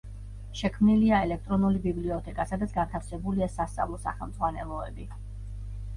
შექმნილია ელექტრონული ბიბლიოთეკა, სადაც განთავსებულია სასწავლო სახელმძღვანელოები.